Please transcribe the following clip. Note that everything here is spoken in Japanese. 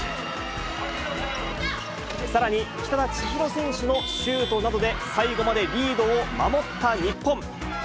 さらに、北田千尋選手のシュートなどで、最後までリードを守った日本。